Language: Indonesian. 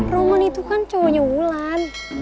roman itu kan cowoknya mulan